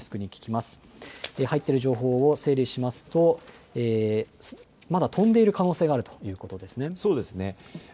入っている情報を整理しますとまだ飛んでいる可能性があるということですね。